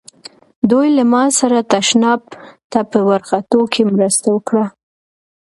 دوی له ما سره تشناب ته په ورختو کې مرسته وکړه.